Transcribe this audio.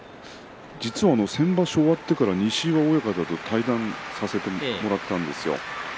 実は先場所終わってから西岩親方と対談させてもらったんですよ。